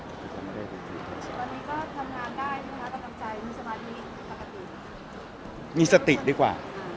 วันนี้ก็ทำงานได้ครับตามใจมีสบายดีปกติ